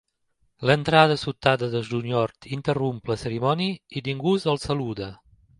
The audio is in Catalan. L'entrada sobtada de Junior interromp la cerimònia, i ningú el saluda.